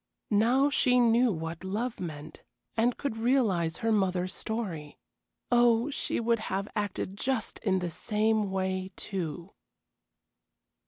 Now she knew what love meant, and could realize her mother's story. Oh, she would have acted just in the same way, too.